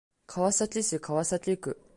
川崎市川崎区